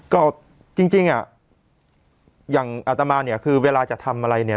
ก็จริงอ่ะอย่างอัตมาเนี่ยคือเวลาจะทำอะไรเนี่ย